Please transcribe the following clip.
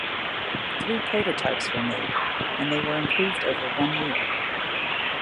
Three prototypes were made, and they were improved over one year.